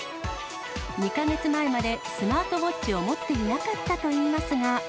２か月前までスマートウォッチを持っていなかったといいますが。